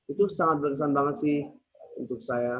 itu sangat berkesan banget sih untuk saya